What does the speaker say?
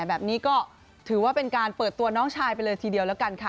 แบบนี้ก็ถือว่าเป็นการเปิดตัวน้องชายไปเลยทีเดียวแล้วกันค่ะ